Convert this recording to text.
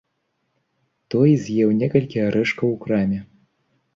Той з'еў некалькі арэшкаў у краме.